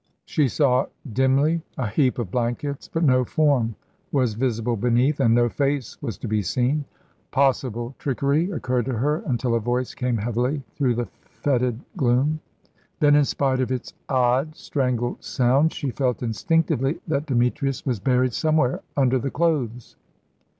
She saw dimly a heap of blankets, but no form was visible beneath, and no face was to be seen. Possible trickery occurred to her, until a voice came heavily through the fetid gloom. Then, in spite of its odd, strangled sound, she felt instinctively that Demetrius was buried somewhere under the clothes.